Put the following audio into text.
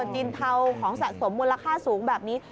กินเทาของสะสมมูลค่าสูงแบบนี้